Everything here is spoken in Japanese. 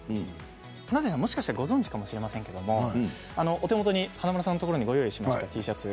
華大さん、もしかしたらご存じかもしれませんがお手元に、華丸さんのところにご用意しました。